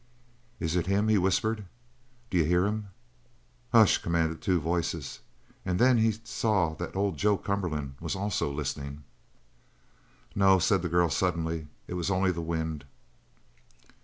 "Is it him?" he whispered. "D'you hear him?" "Hush!" commanded two voices, and then he saw that old Joe Cumberland also was listening. "No," said the girl suddenly, "it was only the wind."